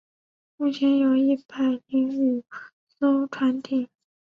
目前有一百零五艘船艇。